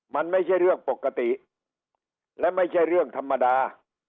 มันไม่ใช่เรื่องปกติและไม่ใช่เรื่องธรรมดา